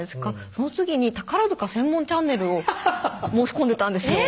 その次に宝塚専門チャンネルを申し込んでたんですよ